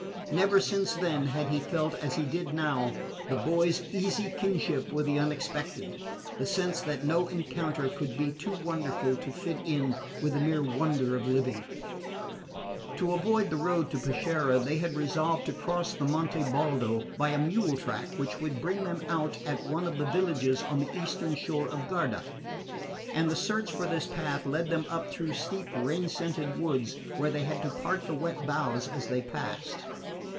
Never since then had he felt, as he did now, the boy's easy kinship with the unexpected, the sense that no encounter could be too wonderful to fit in with the mere wonder of living. To avoid the road to Peschiera they had resolved to cross the Monte Baldo by a mule track which should bring them out at one of the villages on the eastern shore of Garda; and the search for this path led them up through steep rain scented woods where they had to part the wet boughs as they passed.